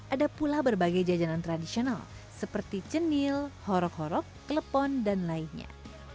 ada pula berbagai jajanan tradisional seperti cenil horok horok klepon dan lainnya